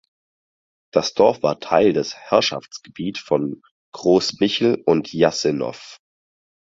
Das Dorf war Teil des Herrschaftsgebiets von Großmichel und Jasenov.